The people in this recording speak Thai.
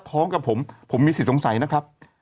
พร้อมกับผมผมมีสิทธิ์สงสัยนะครับ